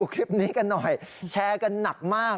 คลิปนี้กันหน่อยแชร์กันหนักมาก